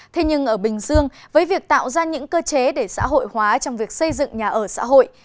thế nhưng ở bình dương với việc tạo ra những cơ chế để xã hội hóa trong việc xây dựng nhà ở xã hội